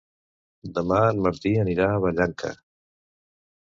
Demà en Martí anirà a Vallanca.